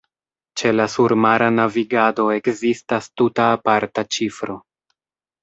Ĉe la surmara navigado ekzistas tuta aparta ĉifro.